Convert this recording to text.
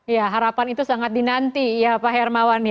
ya harapan itu sangat dinanti ya pak hermawan